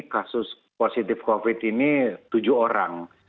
kasus positif covid ini tujuh orang